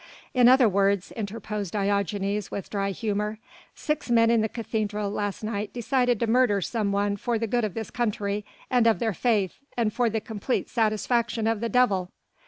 "In other words," interposed Diogenes with dry humour, "six men in the cathedral last night decided to murder some one for the good of this country and of their faith and for the complete satisfaction of the devil."